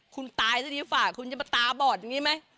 คุณตายซะดีฝ่าคุณจะมาตาบอดอย่างนี้ไหม